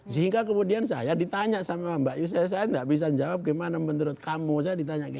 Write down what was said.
sehingga kemudian saya ditanya sama mbak yuses saya nggak bisa jawab gimana menurut kamu saya ditanya